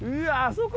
そこ？